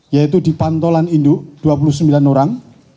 yaitu di pantolan induk dua puluh sembilan orang